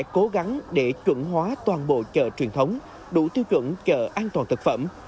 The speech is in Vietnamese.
cố gắng để chuẩn hóa toàn bộ chợ truyền thống đủ tiêu chuẩn chợ an toàn thực phẩm